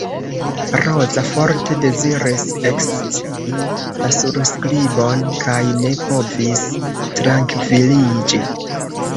Roza forte deziris ekscii la surskribon kaj ne povis trankviliĝi.